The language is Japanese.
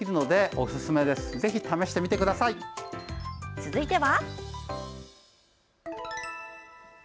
続いては？